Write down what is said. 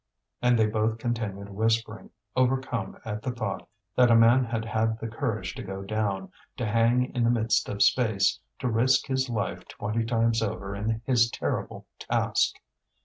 And they both continued whispering, overcome at the thought that a man had had the courage to go down, to hang in the midst of space, to risk his life twenty times over in his terrible task.